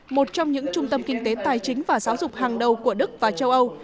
một trong những trung tâm kinh tế tài chính và giáo dục hàng đầu của đức và châu âu